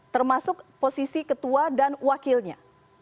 termasuk posisi ketua dan wakilnya